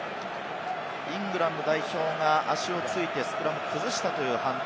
イングランド代表が足をついてスクラムを崩したという判定。